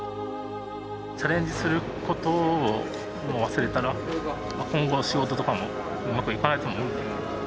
チャレンジすることを忘れたら今後仕事とかもうまくいかないと思うんで。